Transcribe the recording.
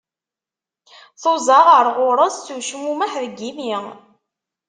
Tuẓa ɣer ɣur-s s ucmumeḥ deg imi.